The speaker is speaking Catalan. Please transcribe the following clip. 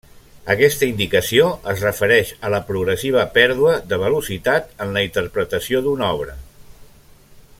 Aquesta indicació es refereix a la progressiva pèrdua de velocitat en la interpretació d'una obra.